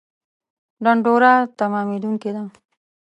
ډنډوره تمامېدونکې ده